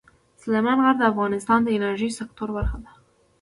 سلیمان غر د افغانستان د انرژۍ سکتور برخه ده.